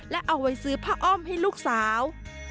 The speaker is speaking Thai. และเอาไว้ซื้อผ้าอ้อมให้ลูกสาว